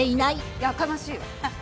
やかましいわ。